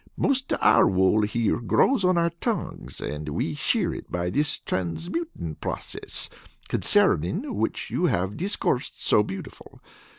Most of our wool here grows on our tongues, and we shear it by this transmutin' process, concerning which you have discoursed so beautiful.